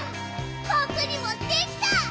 「ぼくにもできた！